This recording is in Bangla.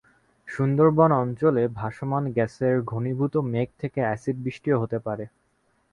সুন্দরবন অঞ্চলে ভাসমান গ্যাসের ঘনীভূত মেঘ থেকে অ্যাসিড বৃষ্টিও হতে পারে।